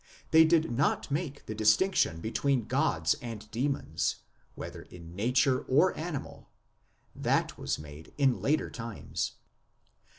They did not make the distinction between gods and demons, whether in nature or animal, that was made in later times.